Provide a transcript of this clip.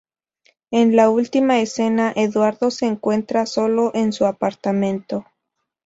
En la última escena Eduardo se encuentra solo en su apartamento.